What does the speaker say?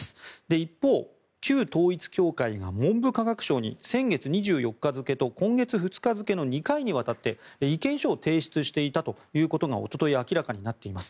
一方、旧統一教会が文部科学省に先月２４日付と今月２日付２回にわたって意見書を提出していたということがおととい明らかになっています。